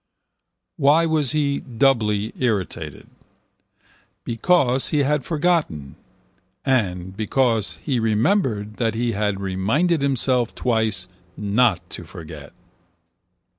Why was he doubly irritated? Because he had forgotten and because he remembered that he had reminded himself twice not to forget.